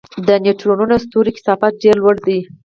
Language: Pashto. د نیوټرون ستوري کثافت ډېر لوړ دی.